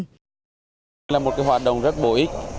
điều này là một hoạt động rất bổ ích